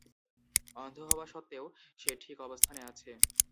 অন্ধ হওয়া স্বত্তেও, সে ঠিক অবস্থানে আছে।